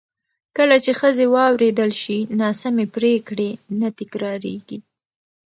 کله چې ښځې واورېدل شي، ناسمې پرېکړې نه تکرارېږي.